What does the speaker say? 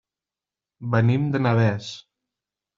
Venim de Navès.